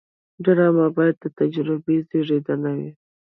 ډرامه باید د تجربې زیږنده وي